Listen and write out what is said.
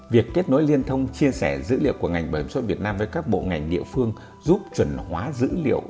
việc kết nối liên thông chia sẻ dữ liệu của ngành bảo hiểm sội việt nam với các bộ ngành địa phương giúp chuẩn hóa dữ liệu